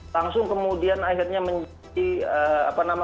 langsung kemudian akhirnya menjadi apa namanya